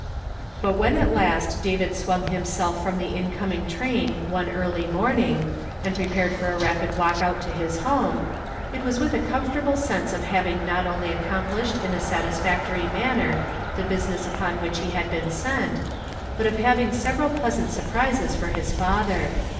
But when at last David swung himself from the incoming train one early morning, and prepared for a rapid walk out to his home, it was with a comfortable sense of having not only accomplished in a satisfactory manner the business upon which he had been sent, but of having several pleasant surprises for his father.